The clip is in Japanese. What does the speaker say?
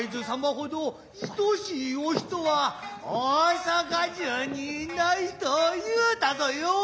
ほどいとしいお人は大坂中に無いと言うたぞよ。